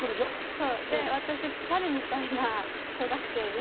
そうで私猿みたいな小学生で。